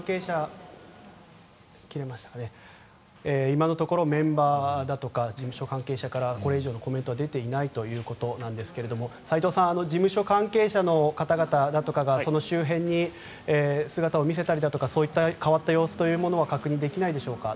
今のところメンバーだとか事務所関係者からこれ以上のコメントは出ていないということなんですが齋藤さん事務所関係者の方だとかその周辺に姿を見せたりだとかそういった変わった様子は確認できないでしょうか。